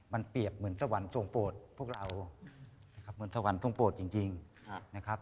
มันเปรียบเหมือนสวรรค์ทรงโปรดพวกเรานะครับเหมือนสวรรค์ทรงโปรดจริงนะครับ